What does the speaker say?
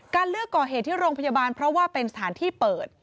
เลือกก่อเหตุที่โรงพยาบาลเพราะว่าเป็นสถานที่เปิด